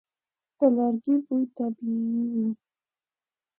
د لرګي بوی طبیعي وي.